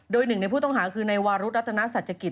โดยหนึ่งในผู้ต้องหาคือนายวารุธรัตนาศัตริยกิจ